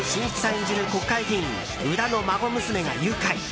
演じる国会議員宇田の孫娘が誘拐。